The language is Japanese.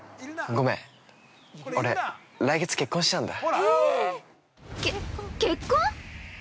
ごめん、俺、来月結婚しちゃうんだ。